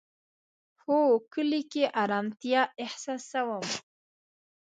هو، کلی کی ارامتیا احساسوم